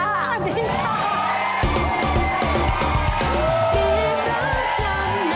สวัสดีจ๊ะ